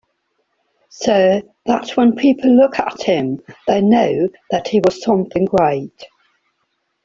So that when people look at him, they know that he was something great.